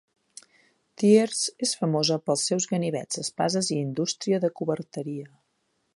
Thiers és famosa pels seus ganivets, espases i indústria de coberteria.